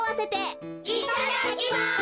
いただきます！